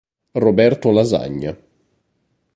Roberto Lasagna